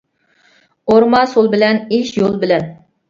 ئورما سول بىلەن، ئىش يول بىلەن.